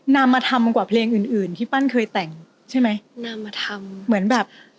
นำมาทำกว่าเพลงอื่นอื่นที่ปั้นเคยแต่งใช่ไหมนำมาทำเหมือนแบบ